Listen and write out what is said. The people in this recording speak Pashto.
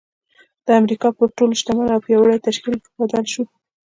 د امريکا پر تر ټولو شتمن او پياوړي تشکيل بدل شو.